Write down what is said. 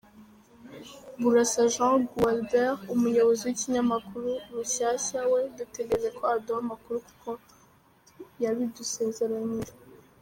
Burasa Jean Gualbert, Umuyobozi w’Ikinyamakuru Rushyashya, we dutegereje ko aduha amakuru kuko yabidusezeranije.